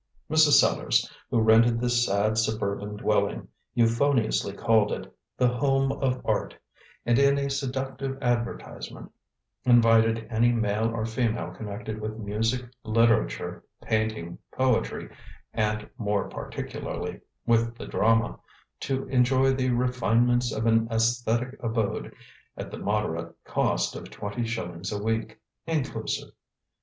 Mrs. Sellars, who rented this sad suburban dwelling, euphoniously called it "The Home of Art," and in a seductive advertisement invited any male or female connected with music, literature, painting, poetry, and more particularly with the drama, to enjoy the refinements of an æsthetic abode at the moderate cost of twenty shillings a week, inclusive.